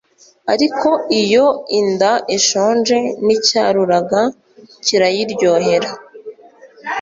ariko iyo inda ishonje n’icyaruraga kirayiryohera